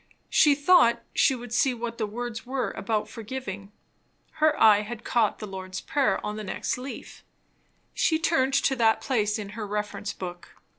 She thought she would see what the words were about forgiving. Her eye had caught the Lord's prayer on the next leaf. She turned to that place in her reference book.